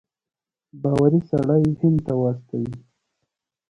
باوري سړی هند ته واستوي.